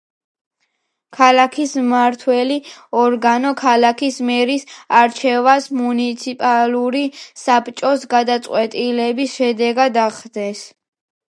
ქალაქის მმართველი ორგანო ქალაქის მერის არჩევას მუნიციპალური საბჭოს გადაწყვეტილების შედეგად ახდენს.